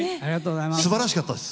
すばらしかったです。